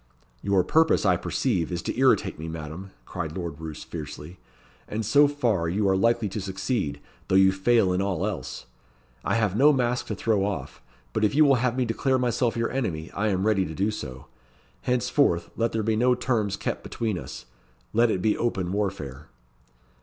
"Your purpose, I perceive, is to irritate me, Madam," cried Lord Roos, fiercely; "and so far you are likely to succeed, though you fail in all else. I have no mask to throw off; but if you will have me declare myself your enemy, I am ready to do so. Henceforth, let there be no terms kept between us let it be open warfare."